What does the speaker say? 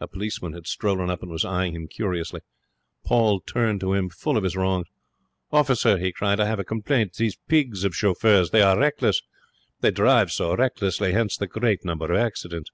A policeman had strolled up and was eyeing him curiously. Paul turned to him, full of his wrongs. 'Officer,' he cried, 'I have a complaint. These pigs of chauffeurs! They are reckless. They drive so recklessly. Hence the great number of accidents.'